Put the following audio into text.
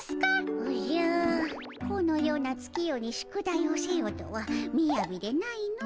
おじゃこのような月夜に宿題をせよとはみやびでないのう。